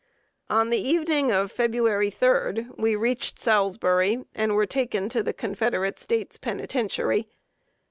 On the evening of February 3d we reached Salisbury, and were taken to the Confederate States Penitentiary.